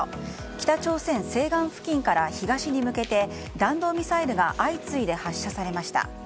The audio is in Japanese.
北朝鮮西岸付近から東に向けて弾道ミサイルが相次いで発射されました。